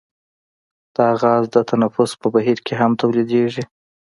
دا غاز د تنفس په بهیر کې هم تولیدیږي.